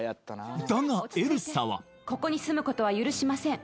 だがエルサはここに住むことは許しません